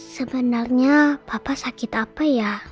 sebenarnya apa sakit apa ya